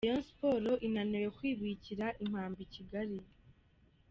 Rayon Sports inaniwe kwibikira impamba i Kigali.